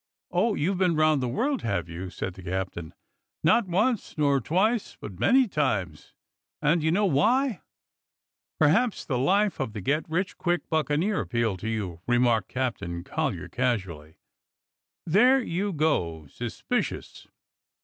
"Oh, you've been round the world, have you?" said the captain. ^*Not once nor twice, but many times, and do you know why?" "Perhaps the life of the get rich quick bucca neers appealed to you?" remarked Captain Collyer casually. "There you go — suspicious.